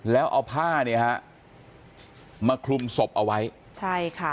แล้วเอาผ้าเนี่ยฮะมาคลุมศพเอาไว้ใช่ค่ะ